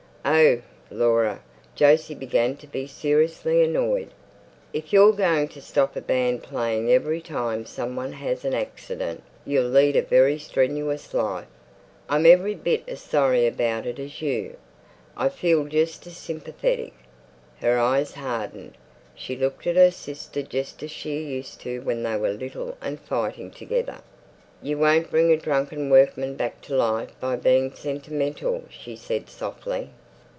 "Oh, Laura!" Jose began to be seriously annoyed. "If you're going to stop a band playing every time some one has an accident, you'll lead a very strenuous life. I'm every bit as sorry about it as you. I feel just as sympathetic." Her eyes hardened. She looked at her sister just as she used to when they were little and fighting together. "You won't bring a drunken workman back to life by being sentimental," she said softly.